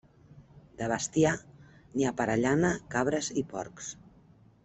De bestiar, n'hi ha per a llana, cabres i porcs.